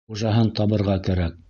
Хужаһын табырға кәрәк.